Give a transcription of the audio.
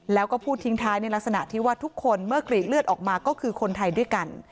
แล้วก็พูดทิ้งท้ายในลักษณะที่ว่าทุกคนเมื่อกรีดเลือดออกมาก็คือคนไทยด้วยกัน